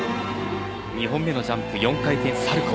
２本目のジャンプ４回転サルコウ。